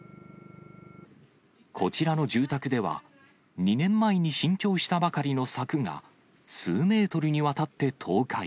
こちらの住宅では、２年前に新調したばかりの柵が数メートルにわたって倒壊。